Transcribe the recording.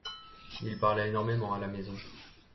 Il parlait énormément à la maison.